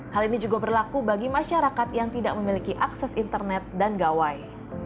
hal ini juga berlaku bagi masyarakat yang tidak memiliki akses internet dan gawai